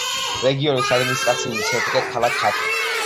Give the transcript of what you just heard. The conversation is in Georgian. რეგიონის ადმინისტრაციული ცენტრია ქალაქი ატი.